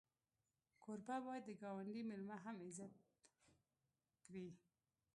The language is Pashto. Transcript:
کوربه باید د ګاونډي میلمه هم عزت کړي.